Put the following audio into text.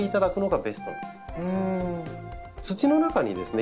土の中にですね